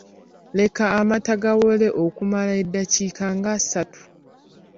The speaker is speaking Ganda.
Leka amata gawole okumala eddakiika ng’asatu.